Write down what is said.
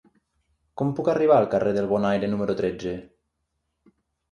Com puc arribar al carrer del Bonaire número tretze?